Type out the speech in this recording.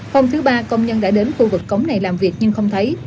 hôm thứ ba công nhân đã đến khu vực cống này làm việc nhưng không thấy